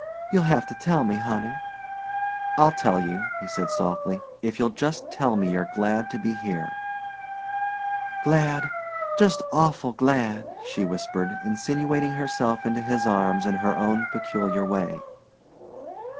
You'll have to tell me, honey." "I'll tell you," he said softly, "if you'll just tell me you're glad to be here." "Glad just awful glad!" she whispered, insinuating herself into his arms in her own peculiar way.